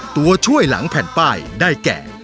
ตัวช่วยหลังแผ่นป้ายได้แก่